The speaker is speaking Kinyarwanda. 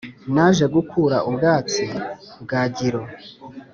naje gukura ubwatsi, bwagiro